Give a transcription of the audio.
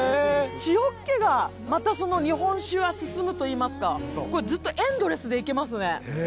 塩っ気がまた日本酒が進むといいますかこれずっとエンドレスでいけますね。